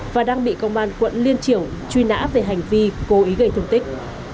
và đang bị công an quận liên triểu truy nã về hành vi cố ý gây thương tích